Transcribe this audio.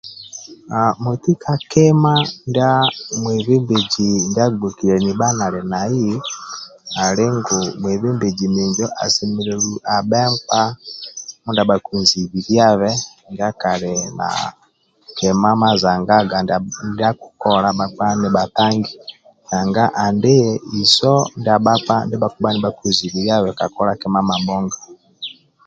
Haaa moti ka kima ndia mwebembezi ndia agbokiliani bha nali nai ali ngu mwebembezi minjo asemelelu abhe nkpa mindia bhakinzibilabe ndia kandi kima mazangaga ndia akikola bhakpa nibhatangi nanga andie iso ndia bhakpa ndia bhakibha nibhakizibiliabe ka kola kima mabhonga